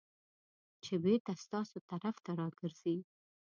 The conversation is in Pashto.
چې بېرته ستاسو طرف ته راګرځي .